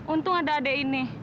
untung ada adek ini